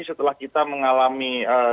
setelah kita mengalami